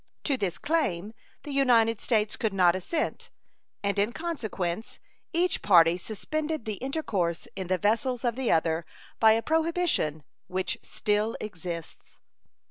To this claim the United States could not assent, and in consequence each party suspended the intercourse in the vessels of the other by a prohibition which still exists.